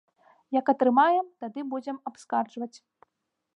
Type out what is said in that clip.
Як атрымаем, тады будзем абскарджваць.